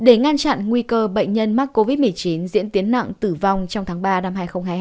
để ngăn chặn nguy cơ bệnh nhân mắc covid một mươi chín diễn tiến nặng tử vong trong tháng ba năm hai nghìn hai mươi hai